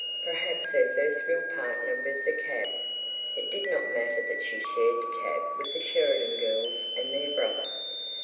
Perhaps her first real partner was the cab. It did not matter that she shared the cab with the Sheridan girls and their brother.